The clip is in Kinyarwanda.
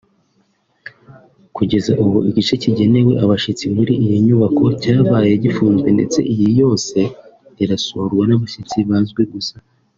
Kugeza ubu igice kigenewe abashyitsi muri iyi nyubako cyabaye gifunzwe ndetse iyi yose irasurwa n’abashyitsi bazwi gusa